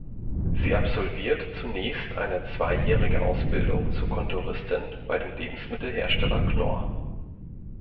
Sie absolvierte zunächst eine zweijährige Ausbildung zur Kontoristin bei dem Lebensmittelhersteller Knorr.